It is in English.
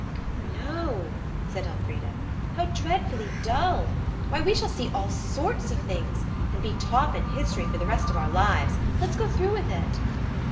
"Oh, no," said Elfrida. "How dreadfully dull! Why, we shall see all sorts of things, and be top in history for the rest of our lives. Let's go through with it."